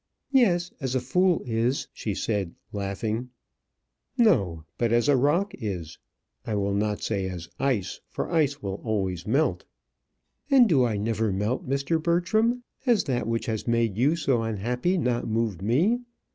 "Yes; as a fool is," she said, laughing. "No; but as a rock is. I will not say as ice, for ice will always melt." "And do I never melt, Mr. Bertram? Has that which has made you so unhappy not moved me?